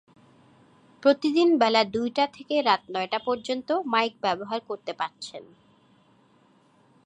প্রতিদিন বেলা দুইটা থেকে রাত নয়টা পর্যন্ত মাইক ব্যবহার করতে পারছেন।